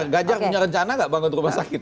gajar punya rencana gak bangun rumah sakit